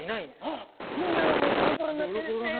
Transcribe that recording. あっみんなもうボロボロになってるんですね。